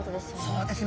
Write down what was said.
そうです。